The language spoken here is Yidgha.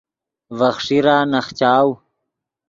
ڤے خیݰیرا نخچاؤ